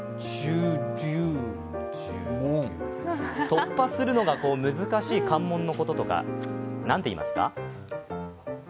突破するのが難しい関門のこととか、何て言いますか？